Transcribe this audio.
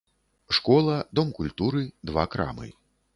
Школа, дом культуры, два крамы.